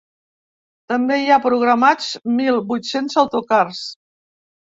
També hi ha programats mil vuit-cents autocars.